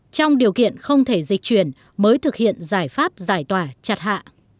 trong điều kiện không thể dịch chuyển mới thực hiện giải pháp giải tỏa chặt hạ